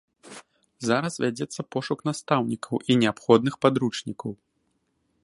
Зараз вядзецца пошук настаўнікаў і неабходных падручнікаў.